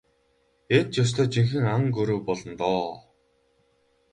Энэ ч ёстой жинхэнэ ан гөрөө болно доо.